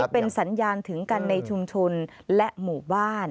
เป็นสัญญาณถึงกันในชุมชนและหมู่บ้าน